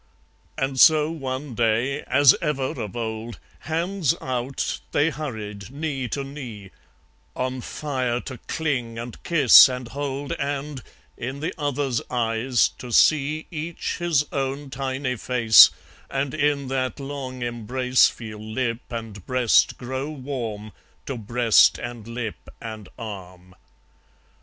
And so one day, as ever of old, Hands out, they hurried, knee to knee; On fire to cling and kiss and hold And, in the other's eyes, to see Each his own tiny face, And in that long embrace Feel lip and breast grow warm To breast and lip and arm.